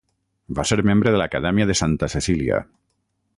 Va ser membre de l'Acadèmia de Santa Cecília.